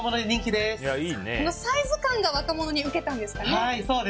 このサイズ感が若者にウケたんですかね。